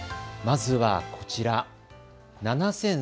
まずはこちら。